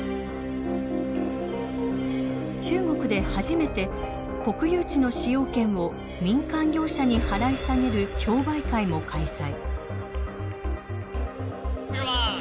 中国で初めて国有地の使用権を民間業者に払い下げる競売会も開催。